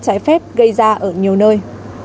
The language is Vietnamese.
trái phép gây ra ở nhiều nơi